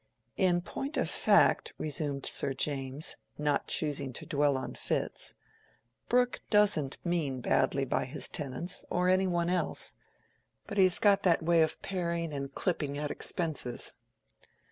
"In point of fact," resumed Sir James, not choosing to dwell on "fits," "Brooke doesn't mean badly by his tenants or any one else, but he has got that way of paring and clipping at expenses."